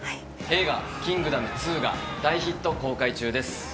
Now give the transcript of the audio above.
映画『キングダム２』が大ヒット公開中です。